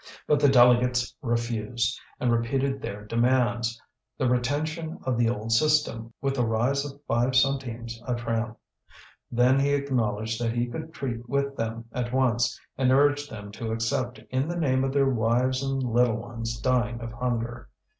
But the delegates refused, and repeated their demands: the retention of the old system, with a rise of five centimes a tram. Then he acknowledged that he could treat with them at once, and urged them to accept in the name of their wives and little ones dying of hunger.